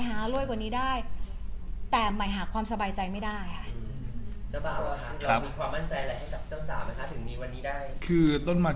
หารวยกว่านี้ได้แต่ใหม่หาความสบายใจไม่ได้ค่ะ